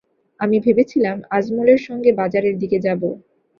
আমি ভেবেছিলাম, আজমলের সঙ্গে বাজারের দিকে যাব।